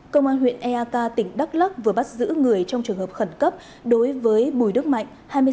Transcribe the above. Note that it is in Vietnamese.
công an huyện eak tỉnh đắk lắc vừa bắt giữ người trong trường hợp khẩn cấp đối với bùi đức mạnh